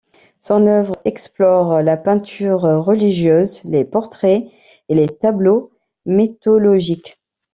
Son œuvre explore la peinture religieuse, les portraits et les tableaux mythologiques.